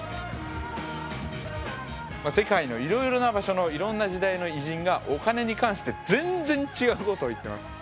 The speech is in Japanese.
世界のいろいろな場所のいろんな時代の偉人がお金に関して全然違うことを言ってます。